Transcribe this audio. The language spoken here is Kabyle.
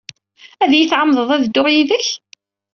Ad iyi-tɛemmdeḍ ad dduɣ yid-k?